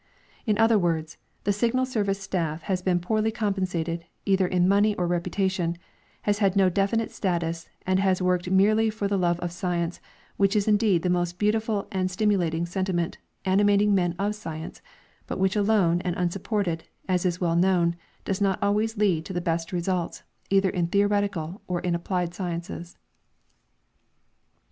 In other words, the Signal service staff lias lieen poorly compensated, either in money or reputation, has had no definite status, and has worked merely for the love of science, which is indeed the most beautiful and stimulating sentiment animating men of science, but which alone and unsupported, as is well known, does not always lead to the l)est results either in theoretical or in applied sciences.